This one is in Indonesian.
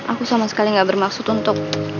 aku sama sekali gak bermaksud untuk